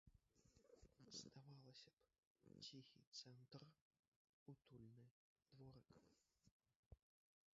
Здавалася б, ціхі цэнтр, утульны дворык.